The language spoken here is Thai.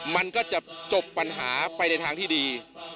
มันก็จะจบปัญหาไปในทางที่ดี